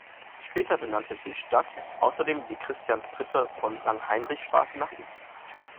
Später benannte die Stadt außerdem die "Christian-Ritter-von-Langheinrich-Straße" nach ihm.